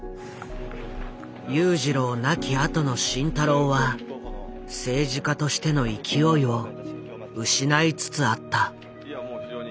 裕次郎亡きあとの慎太郎は政治家としての勢いを失いつつあった。